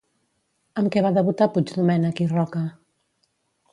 Amb què va debutar Puigdomènech i Roca?